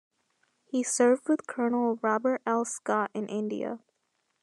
He served with Colonel Robert L. Scott in India.